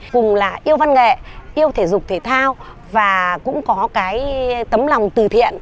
cùng là yêu văn nghệ yêu thể dục thể thao và cũng có cái tấm lòng từ thiện